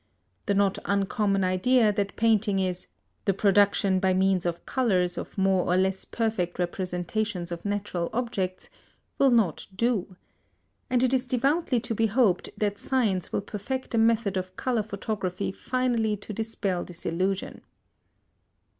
The not uncommon idea, that painting is "the production by means of colours of more or less perfect representations of natural objects" will not do. And it is devoutly to be hoped that science will perfect a method of colour photography finally to dispel this illusion.